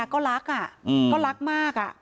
ก็รักก็รักมาก